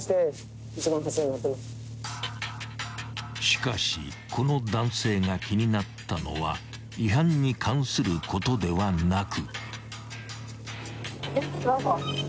［しかしこの男性が気になったのは違反に関することではなく］